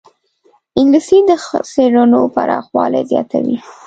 انګلیسي د څېړنو پراخوالی زیاتوي